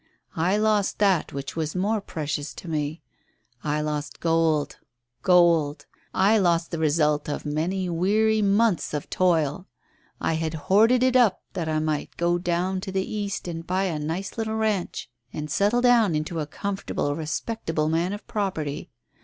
I lost that which was more precious to me. I lost gold gold! I lost the result of many weary months of toil. I had hoarded it up that I might go down to the east and buy a nice little ranch, and settle down into a comfortable, respectable man of property.